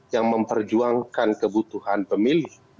yang memperjuangkan kebutuhan pemilih